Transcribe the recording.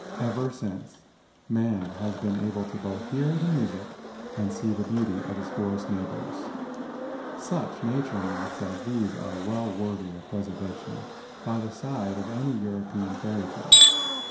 Ever since, man has been able to both hear the music and see the beauty of his forest neighbors. X INTRODUCTION Such nature myths as these are well worthy of preservation by the side of any European fairy¬ tale.